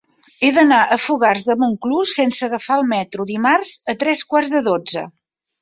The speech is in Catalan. He d'anar a Fogars de Montclús sense agafar el metro dimarts a tres quarts de dotze.